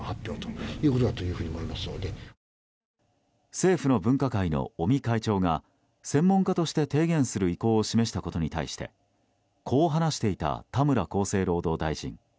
政府の分科会の尾身会長が専門家として提言する意向を示したことに対してこう話していた田村厚生労働大臣。